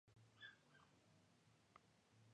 Los reporteros Érika Ramírez y David Cilia son rescatados.